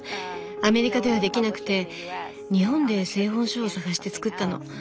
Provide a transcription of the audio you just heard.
アメリカではできなくて日本で製本所を探して作ったの。